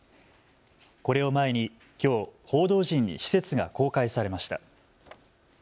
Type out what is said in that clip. これを前にきょう報道陣に施設が公開されました。